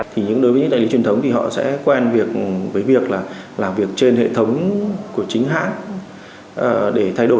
thì những đối với những đại lý truyền thống thì họ sẽ quen với việc là làm việc trên hệ thống của chính hãng